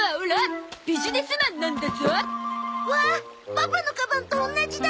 パパのカバンとおんなじだ！